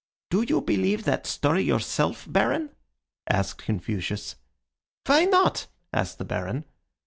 "Do you believe that story yourself, Baron?" asked Confucius. "Why not?" asked the Baron.